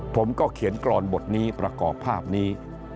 ผมก็เขียนกรอนบทนี้ประกอบภาพนี้